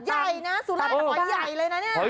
อาตามตามเอาใหญ่เลยนะเนี่ย